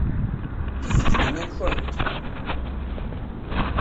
Tifednin-a nkent?